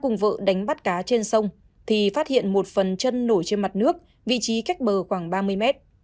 trong vụ đánh bắt cá trên sông thì phát hiện một phần chân nổi trên mặt nước vị trí cách bờ khoảng ba mươi m